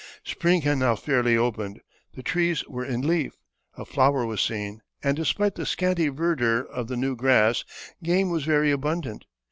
Spring had now fairly opened, the trees were in leaf, a flower was seen, and despite the scanty verdure of the new grass, game was very abundant.